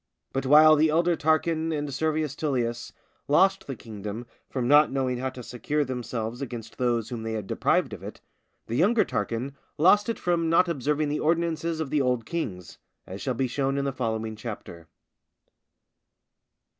But while the elder Tarquin and Servius Tullius lost the kingdom from not knowing how to secure themselves against those whom they had deprived of it, the younger Tarquin lost it from not observing the ordinances of the old kings, as shall be shown in the following Chapter.